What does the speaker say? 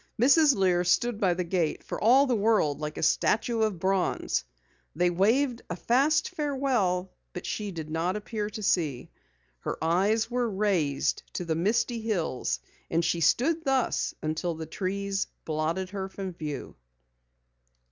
Mrs. Lear stood by the gate for all the world like a statue of bronze. They waved a fast farewell but she did not appear to see. Her eyes were raised to the misty hills and she stood thus until the trees blotted her from view.